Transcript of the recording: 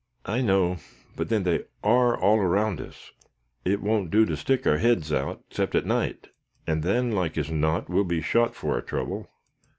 "I know; but then they are all around us. It won't do to stick our heads out, except at night, and then, like as not, we'll be shot for our trouble."